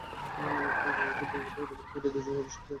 এরফলে Norwegian Nobel কমিটির দুইজন সদস্য পদত্যাগ করেন।